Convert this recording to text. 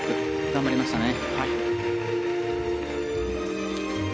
頑張りましたね。